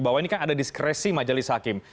bahwa ini kan ada diskresi majelis hakim